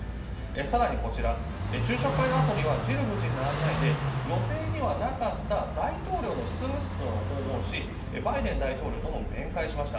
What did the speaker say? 更にこちら、昼食会のあとにはジル夫人の案内で予定にはなかった大統領の執務室というのを訪問しバイデン大統領とも面会しました。